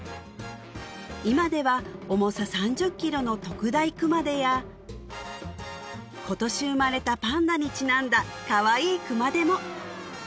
今では重さ３０ｋｇの特大熊手や今年生まれたパンダにちなんだかわいい熊手も！